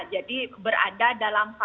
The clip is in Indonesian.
jadi berada dalam kawasan